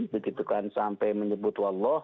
begitu kan sampai menyebut